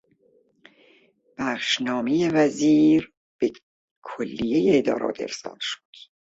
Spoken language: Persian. بخشنامهی وزیر به کلیهی ادارات ارسال شد.